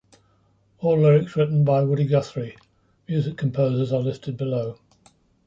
All lyrics written by Woody Guthrie; music composers are listed below.